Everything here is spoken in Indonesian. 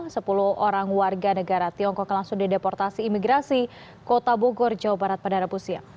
sepuluh orang warga negara tiongkok langsung dideportasi imigrasi kota bogor jawa barat padang rapusia